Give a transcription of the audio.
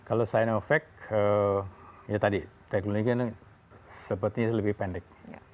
kalau sinovac ya tadi teknologi ini sepertinya lebih pendek